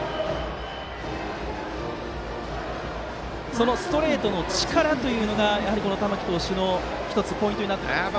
そのストレートの力というのが玉木投手の１つ、ポイントになってきますね。